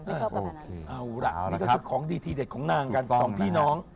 นี่ก็คือของดีทีเด็ดของนางกันสองพี่น้อง